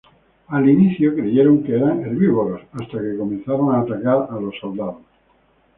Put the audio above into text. Al inicio creyeron eran herbívoros, hasta que comenzaron a atacar a los soldados.